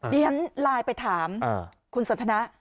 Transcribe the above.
เรียนไลน์ไปถามคุณสันทนะ